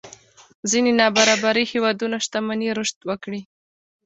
ځينې نابرابرۍ هېوادونو شتمنۍ رشد وکړي.